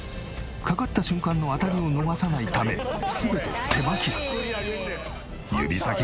かかった瞬間の当たりを逃さないため全て手巻きだ。